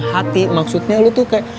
sebenernya dalam hati maksudnya lo tuh kayak